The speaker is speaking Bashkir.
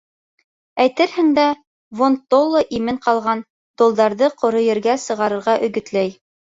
Әйтерһең дә, Вон-толла имен ҡалған долдарҙы ҡоро ергә сығырға өгөтләй.